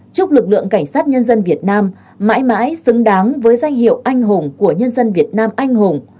chúc lực lượng cảnh sát nhân dân việt nam mãi mãi xứng đáng với danh hiệu anh hùng của nhân dân việt nam anh hùng